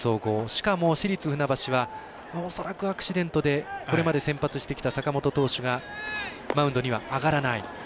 しかも市立船橋は恐らく、アクシデントでこれまで先発してきた坂本投手がマウンドには上がらない。